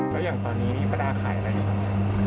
แล้วอย่างตอนนี้พระราชน์ขายอะไรอยู่ตรงนี้